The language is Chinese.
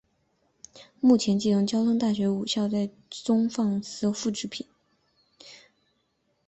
目前继承交通大学的五校多在校园中放置饮水思源碑的复制品。